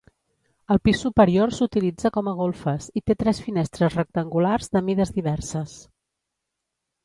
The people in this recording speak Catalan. El pis superior s'utilitza com a golfes i té tres finestres rectangulars de mides diverses.